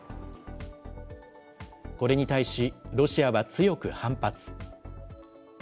これに対し、ロシアは強く反発。